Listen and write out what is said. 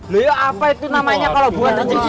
loh ya apa itu namanya kalo buatan cincin